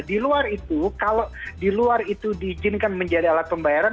di luar itu kalau di luar itu diizinkan menjadi alat pembayaran